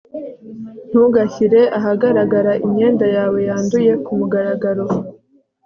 ntugashyire ahagaragara imyenda yawe yanduye kumugaragaro